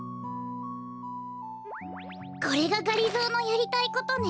これががりぞーのやりたいことね。